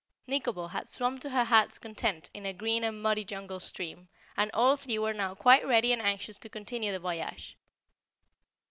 Nikobo had swum to her heart's content in a green and muddy jungle stream and all three were now quite ready and anxious to continue the voyage.